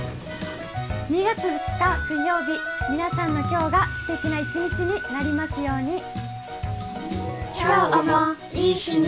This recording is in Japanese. ２月２日水曜日、皆さんの今日がすてきな一日になりますように。